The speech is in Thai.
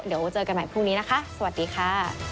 เดี๋ยวเจอกันใหม่พรุ่งนี้นะคะสวัสดีค่ะ